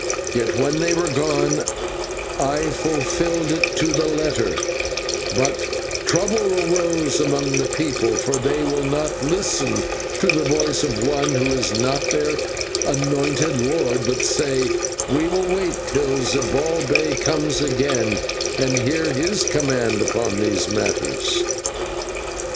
Yet when they were gone I fulfilled it to the letter; but trouble arose among the people, for they will not listen to the voice of one who is not their anointed lord, but say, 'We will wait until Zibalbay comes again and hear his command upon these matters.'